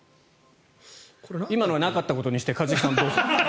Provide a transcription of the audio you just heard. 今のはなかったことにして一茂さんどうぞ。